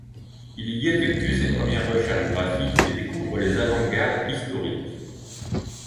Il y effectue ses premières recherches graphiques et découvre les avant-gardes historiques.